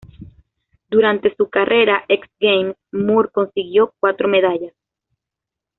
Durante su carrera X Games, Moore consiguió cuatro medallas.